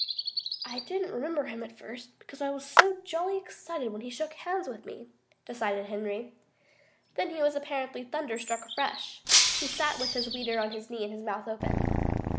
"I didn't remember him at first, because I was so jolly excited when he shook hands with me," decided Henry. Then he was apparently thunderstruck afresh. He sat with his weeder on his knee and his mouth open.